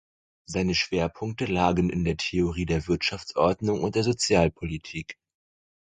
Seine Schwerpunkte lagen in der Theorie der Wirtschaftsordnung und der Sozialpolitik.